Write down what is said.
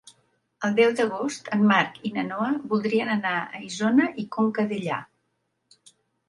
El deu d'agost en Marc i na Noa voldrien anar a Isona i Conca Dellà.